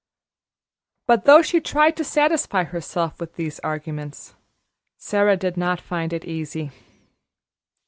But though she tried to satisfy herself with these arguments, Sara did not find it easy.